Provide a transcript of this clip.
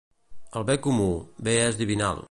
El bé comú, bé és divinal.